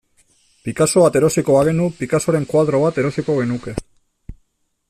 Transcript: Picasso bat erosiko bagenu, Picassoren koadro bat erosiko genuke.